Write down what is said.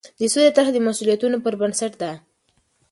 د سولې طرحه د مسوولیتونو پر بنسټ ده.